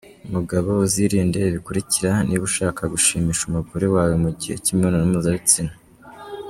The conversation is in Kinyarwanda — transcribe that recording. Mugabo uzirinde ibi bikurikira niba ushaka gushimisha umugore wawe mu gihe cy'imibonano mpuzabitsina.